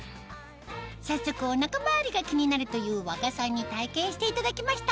早速お腹周りが気になるという和賀さんに体験していただきました